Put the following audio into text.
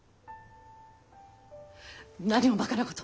何をバカなことを！